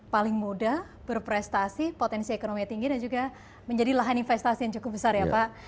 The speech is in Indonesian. paling muda berprestasi potensi ekonomi tinggi dan juga menjadi lahan investasi yang cukup besar ya pak